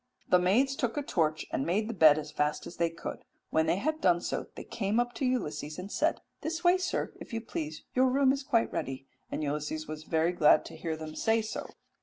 "The maids took a torch, and made the bed as fast as they could: when they had done so they came up to Ulysses and said, 'This way, sir, if you please, your room is quite ready'; and Ulysses was very glad to hear them say so."